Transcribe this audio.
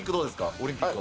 オリンピックは。